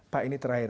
pak ini terakhir